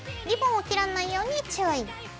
リボンを切らないように注意。